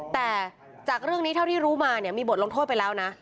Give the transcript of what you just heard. แต่จากเรื่องนี้เท่าที่รู้มาเนี่ยมีบทลงโทษไปแล้วนะ